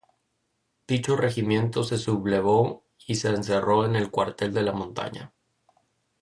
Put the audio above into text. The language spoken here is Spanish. Dicho Regimiento se sublevó y se encerró en el Cuartel de la Montaña.